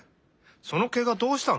そのケガどうしたの？